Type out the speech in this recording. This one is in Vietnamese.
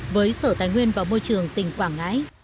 với sở tài nguyên và môi trường tỉnh quảng ngãi